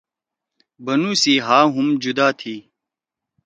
بنُو سی ہآ ہُم جدا تھی۔